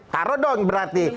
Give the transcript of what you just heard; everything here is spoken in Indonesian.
taruh dong berarti